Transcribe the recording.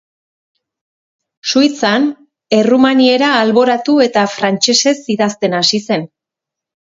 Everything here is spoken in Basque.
Suitzan, errumaniera alboratu eta frantsesez idazten hasi zen.